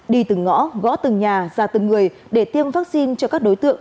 đi từng ngõ gõ từng nhà ra từng người để tiêm vaccine cho các đối tượng